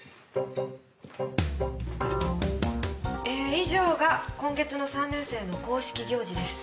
以上が今月の３年生の公式行事です。